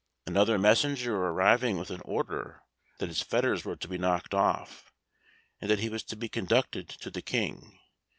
Another messenger arriving with an order that his fetters were to be knocked off, and that he was to be conducted to the King.